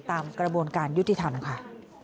ตามกระบวนการยุติธรรมค่ะ